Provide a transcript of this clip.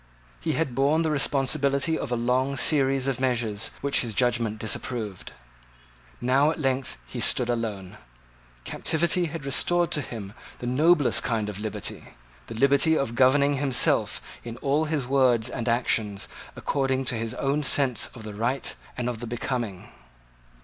He had borne the responsibility of a long series of measures which his judgment disapproved. Now at length he stood alone. Captivity had restored to him the noblest kind of liberty, the liberty of governing himself in all his words and actions according to his own sense of the right and of the becoming.